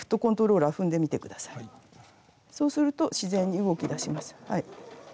そうすると自然に動きだしますはい。